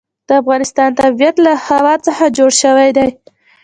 د افغانستان طبیعت له هوا څخه جوړ شوی دی.